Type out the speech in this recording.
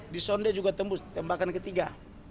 disonde juga tembus tembakan ketiga